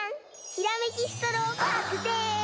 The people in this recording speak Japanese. ひらめきストローパークです！